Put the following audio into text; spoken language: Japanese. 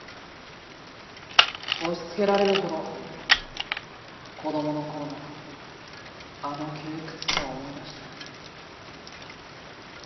押しつけられるほど子供の頃のあの窮屈さを思い出して。